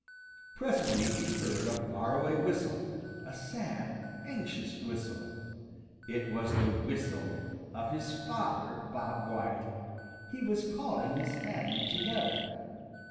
Presently he heard a far away whistle, a sad, anxious whistle. It was the whistle of his father, Bob White. He was calling his family together.